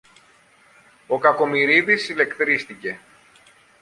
Ο Κακομοιρίδης ηλεκτρίστηκε.